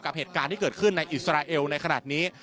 เหตุการณ์ที่เกิดขึ้นในอิสราเอลในขณะนี้